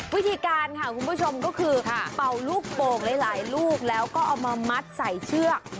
วิธีการค่ะคุณผู้ชมก็คือเป่าลูกโป่งหลายลูกแล้วก็เอามามัดใส่เชือก